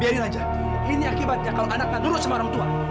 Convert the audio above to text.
biarin aja ini akibatnya kalau anak gak nurut sama orang tua